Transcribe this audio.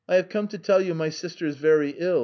I came to tell you that my sister is very ill.